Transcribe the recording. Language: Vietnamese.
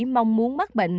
mong muốn mắc bệnh